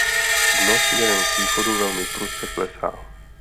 Dno směrem k východu velmi prudce klesá.